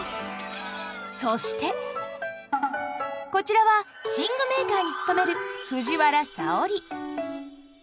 そしてこちらは寝具メーカーに勤める藤原沙織。